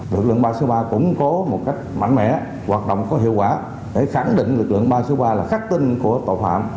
lực lượng ba trăm sáu mươi ba củng cố một cách mạnh mẽ hoạt động có hiệu quả để khẳng định lực lượng ba trăm sáu mươi ba là khắc tinh của tội phạm